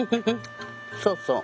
そうそう。